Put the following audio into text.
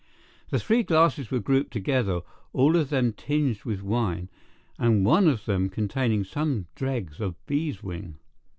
The three glasses were grouped together, all of them tinged with wine, and one of them containing some dregs of beeswing.